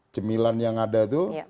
cemilan yang ada itu